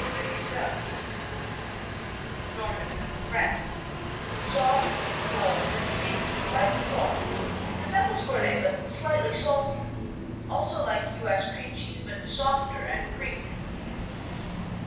Demi Sel Normandy, France Soft, whole, creamy, lightly salted, resembles Gournay but slightly saltier; also like U.S. cream cheese, but softer and creamier.